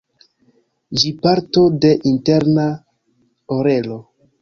Ĝi parto de interna orelo.